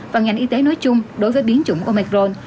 và ngành y tế nói chung đối với biến chủng omercron